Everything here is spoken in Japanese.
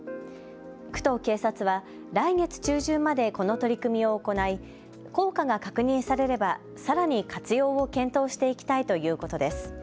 区と警察は来月中旬までこの取り組みを行い効果が確認されればさらに活用を検討していきたいということです。